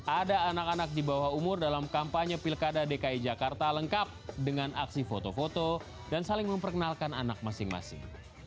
ada anak anak di bawah umur dalam kampanye pilkada dki jakarta lengkap dengan aksi foto foto dan saling memperkenalkan anak masing masing